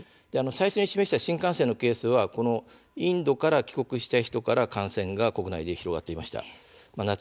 最初に示した新幹線のケースはインドから帰国した人から感染が広がって国内に広がっていました。